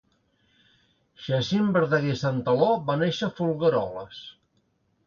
Jacint Verdaguer i Santaló va néixer a Folgueroles.